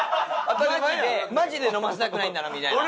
マジで飲ませたくないんだなみたいな。